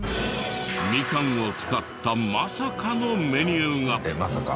ミカンを使ったまさかのメニューが。